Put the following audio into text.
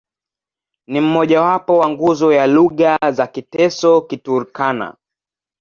Ni mmojawapo wa nguzo ya lugha za Kiteso-Kiturkana.